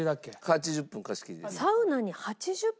８０分貸し切りです。